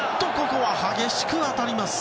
ここは激しく当たります。